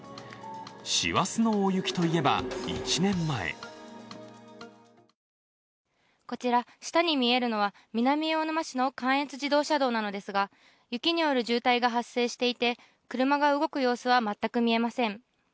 師走の大雪といえば１年前こちら下に見えるのは南魚沼市の関越自動車道なんですが雪による渋滞が発生していて、車が動く様子は全く見えません。